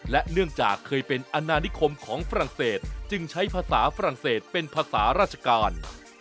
และเนื่องจากเคยเป็นอนานิคมของฝรั่งเศสจึงใช้ภาษาฝรั่งเศสเป็นภาษาราชการ